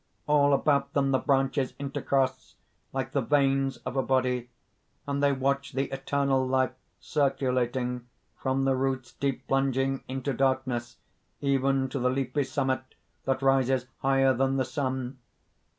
All about them the branches intercross, like the veins of a body; and they watch the eternal Life circulating, from the roots deep plunging into darkness even to the leafy summit that rises higher than the sun.